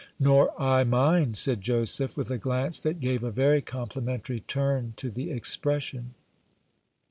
"Nor I mine," said Joseph, with a glance that gave a very complimentary turn to the expression.